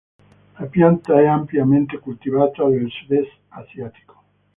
La pianta è ampiamente coltivata nel sudest asiatico.